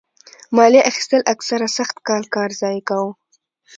مالیه اخیستل اکثره سخت کال کار ضایع کاوه.